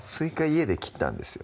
家で切ったんですよ